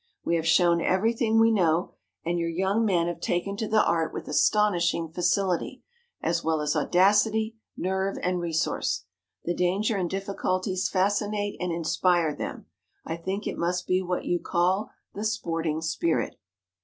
We have shown everything we know, and your young men have taken to the art with astonishing facility, as well as audacity, nerve, and resource. The danger and difficulties fascinate and inspire them. I think it must be what you call the 'sporting spirit.'"